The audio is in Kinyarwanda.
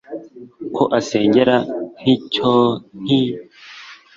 ko ansengera ncyihoreye,